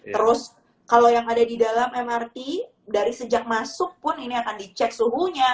terus kalau yang ada di dalam mrt dari sejak masuk pun ini akan dicek suhunya